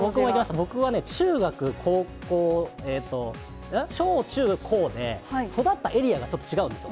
僕はね、中学、高校、小中高で育ったエリアがちょっと違うんですよ。